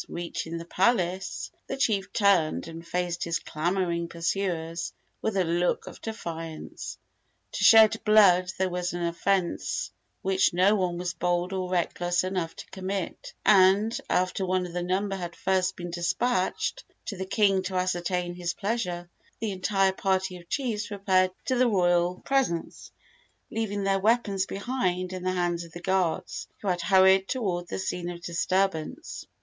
Reaching the palace, the chief turned and faced his clamoring pursuers with a look of defiance. To shed blood there was an offence which no one was bold or reckless enough to commit, and, after one of the number had first been despatched to the king to ascertain his pleasure, the entire party of chiefs repaired to the royal presence, leaving their weapons behind in the hands of the guards who had hurried toward the scene of disturbance.